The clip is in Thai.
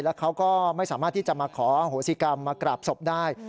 แล้วเขาก็ไม่สามารถที่จะมาขออโหสิกรรมมากราบศพได้